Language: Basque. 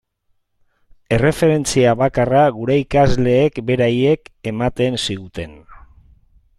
Erreferentzia bakarra gure ikasleek beraiek ematen ziguten.